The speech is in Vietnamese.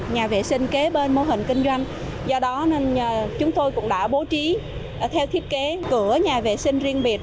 nhà vệ sinh kế bên mô hình kinh doanh do đó nên chúng tôi cũng đã bố trí theo thiết kế cửa nhà vệ sinh riêng biệt